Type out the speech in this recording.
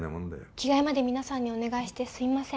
着替えまで皆さんにお願いしてすいません